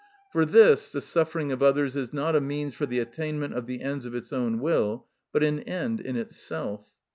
For this the suffering of others is not a means for the attainment of the ends of its own will, but an end in itself.